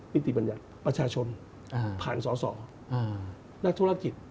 ฤติบัญญัติประชาชนผ่านสรและทุรกิจ